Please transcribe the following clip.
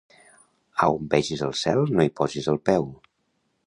A on vegis el cel, no hi posis el peu.